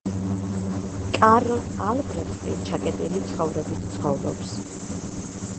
კარლ ალბრეხტი ჩაკეტილი ცხოვრებით ცხოვრობს.